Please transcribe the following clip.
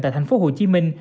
tại thành phố hồ chí minh